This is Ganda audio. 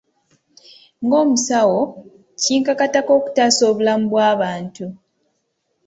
Ng'omusawo, kinkakatako okutaasa obulamu bw'abantu.